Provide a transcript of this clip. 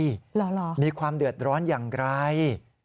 หรอค่ะมีความเดิดร้อนอย่างไร